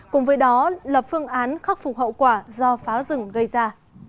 cùng với đó lập phương án khắc phục hậu quả do phá rừng gây ra